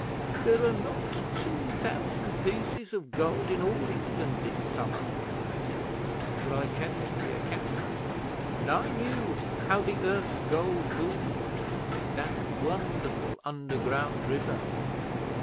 '"There are not two thousand pieces of gold in all England this summer," I said, for I kept the accounts, and I knew how the earth's gold moved that wonderful underground river.